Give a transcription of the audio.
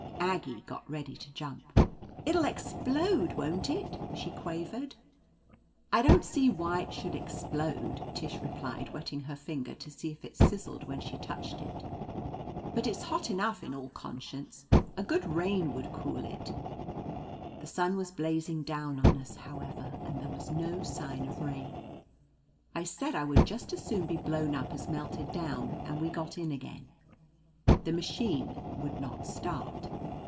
Aggie got ready to jump. "It'll explode, won't it ?" she quavered. "I don't see why it should explode," Tish replied, wetting her finger to see if it sizzled 229 f(Ti.y. I THE AMAZING ADVENTURES when she touched it. "But it's hot enough, in all conscience A good rain would cool it." The sun was blazing down on us, however, and there was no sign of rain. I said I would just as soon be blown up as melted down, and we got in again. The machine would not start.